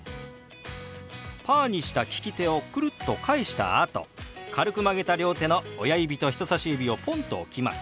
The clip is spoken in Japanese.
パーにした利き手をくるっと返したあと軽く曲げた両手の親指と人さし指をポンと置きます。